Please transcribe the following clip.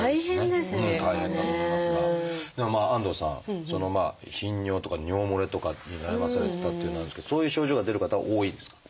でもまあ安藤さん頻尿とか尿もれとかに悩まされてたっていうのがあるんですけどそういう症状が出る方は多いんですか？